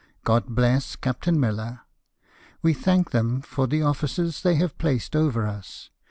God bless Captain Miller ! We thank them for the officers they have placed over us.